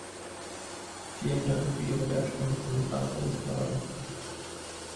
Vielen Dank für Ihre wertvollen Kommentare und Fragen.